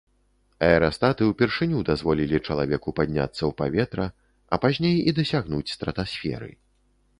Аэрастаты ўпершыню дазволілі чалавеку падняцца ў паветра, а пазней і дасягнуць стратасферы.